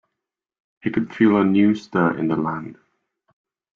He could feel a new stir in the land.